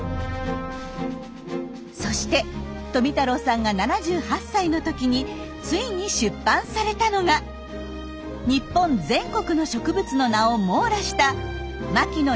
そして富太郎さんが７８歳の時についに出版されたのが日本全国の植物の名を網羅した「牧野日本植物図鑑」でした。